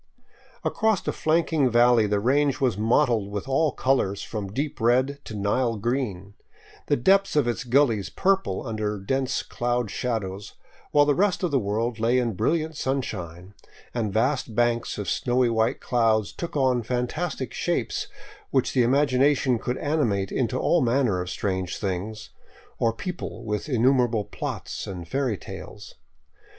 Across a flanking valley the range was mottled with all colors from deep red to Nile green, the depths of its gullies purple under dense cloud shadows, while all the rest of the world lay in brilliant sunshine, and vast banks of snowy white clouds took on fantastic shapes which the imag ination could animate into all manner of strange beings, or people with innumerable plots and fairy tales.